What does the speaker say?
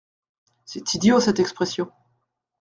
C’est idiot cette expression.